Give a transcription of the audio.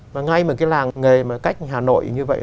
và ngay mà cái làng nghề cách hà nội như vậy